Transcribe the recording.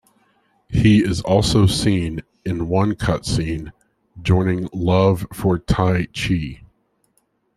He is also seen, in one cutscene, joining Love for T'ai chi.